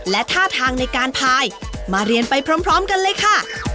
และท่าทางในการพายมาเรียนไปพร้อมกันเลยค่ะ